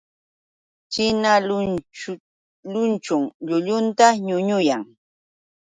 China luychun llullunta ñuñuyan.